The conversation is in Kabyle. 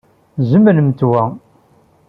Zemlemt wa.